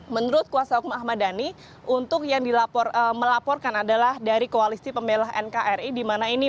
menurut kuasa hukum ahmad dhani untuk yang melaporkan adalah dari koalisi pembelah nkri